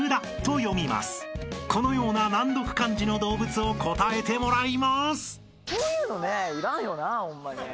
［このような難読漢字の動物を答えてもらいます］